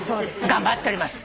頑張っております。